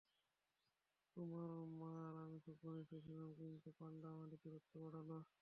তোমার মা আর আমি খুব ঘনিষ্ট ছিলাম, কিন্তু পান্ডা আমাদের দূরত্ব বাড়াল।